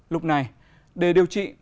lúc này để điều trị